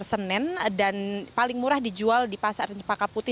di pasar senen dan paling murah dijual di pasar jepang kaputi